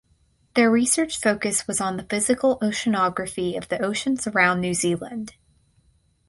Their research focus was on the physical oceanography of the oceans around New Zealand.